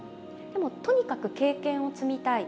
でもとにかく経験を積みたい。